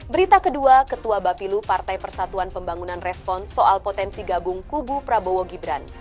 berita kedua ketua bapilu partai persatuan pembangunan respon soal potensi gabung kubu prabowo gibran